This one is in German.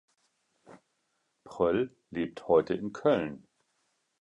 Pröll lebt heute in Köln.